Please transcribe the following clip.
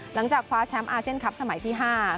หลังจากคว้าแชมป์อาเซียนคลับสมัยที่๕